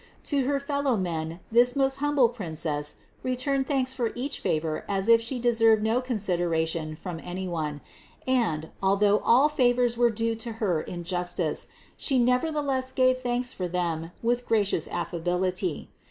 To her fellowmen this most humble Princess returned thanks for each favor as if She deserved no consideration from any one ; and, al though all favors were due to Her in justice, She never theless gave thanks for them with gracious affability.